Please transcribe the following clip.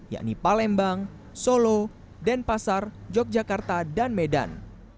yakni palembang solo denpasar yogyakarta dan medan